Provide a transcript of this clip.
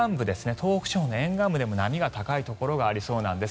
東北地方の沿岸部でも波が高いところがありそうです。